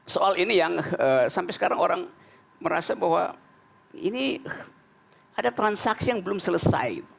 soal ini yang sampai sekarang orang merasa bahwa ini ada transaksi yang belum selesai